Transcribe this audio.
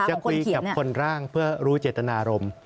จะคุยกับคนร่างเพื่อรู้เจตนารมณ์